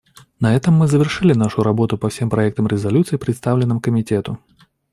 На этом мы завершили нашу работу по всем проектам резолюций, представленным Комитету.